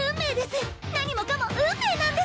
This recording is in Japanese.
何もかも運命なんです！